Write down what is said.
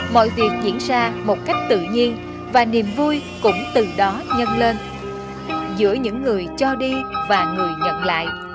mọi việc diễn ra một cách tự nhiên và niềm vui cũng từ đó nhân lên giữa những người cho đi và người nhận lại